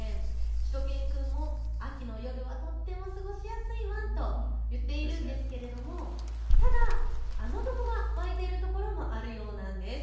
しゅと犬くんも秋の夜はとっても過ごしやすいワン！と言っているんですがただ雨雲が湧いているところもあるようなんです。